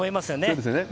そうですよね。